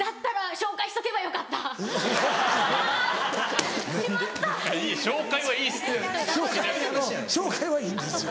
紹介はいいっすよ。